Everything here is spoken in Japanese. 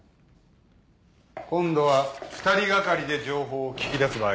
今度は２人がかりで情報を聞き出す場合だ。